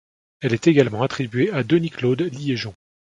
Elle est également attribuée à Denis-Claude Liégeon.